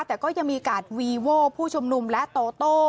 แต่ก็ยังมีการวีโว้ผู้ชุมนุมและโตโต้